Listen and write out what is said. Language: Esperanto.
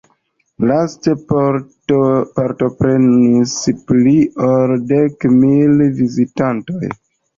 Laste partoprenis pli ol dek mil vizitantoj.